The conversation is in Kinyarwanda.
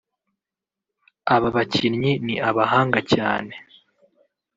aba bakinnyi ni abahanga cyane